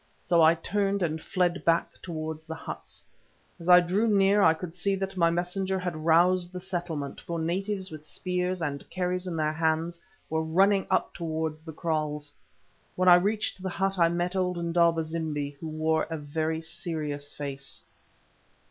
So I turned and fled back towards the huts. As I drew near I could see that my messenger had roused the settlement, for natives with spears and kerries in their hands were running up towards the kraals. When I reached the hut I met old Indaba zimbi, who wore a very serious face.